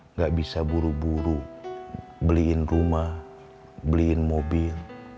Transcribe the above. nggak bisa buru buru beliin rumah beliin mobil